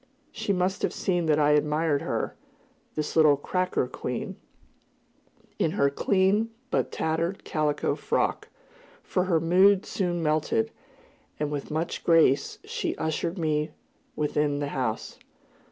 She must have seen that I admired her, this little "cracker" queen, in her clean but tattered calico frock; for her mood soon melted, and with much grace she ushered me within the house.